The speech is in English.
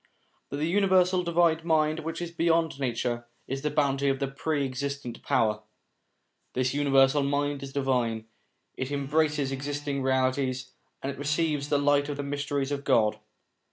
But the universal divine mind which is beyond nature, is the bounty of the Pre existent Power. This universal mind is divine ; it embraces existing realities, and it receives the light of the mysteries of God.